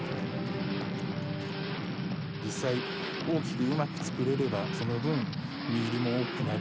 実際大きくうまく作れればその分実入りも多くなる。